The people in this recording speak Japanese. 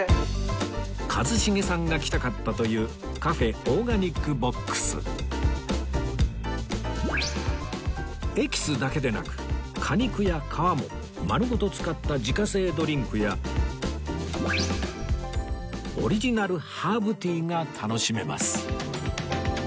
一茂さんが来たかったというカフェエキスだけでなく果肉や皮も丸ごと使った自家製ドリンクやオリジナルハーブティーが楽しめます